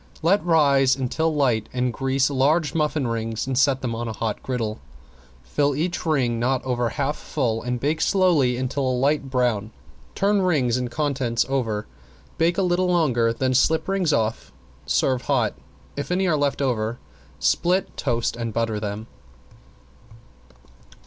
Let rise until light, then grease large muffin rings and set them on a hot griddle. Fill each ring not over half full and bake slowly until a light brown, turn rings and contents over, bake a little longer, then slip rings off. Serve hot. If any are left over, split, toast and butter them.